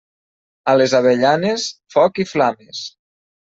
A les avellanes, foc i flames.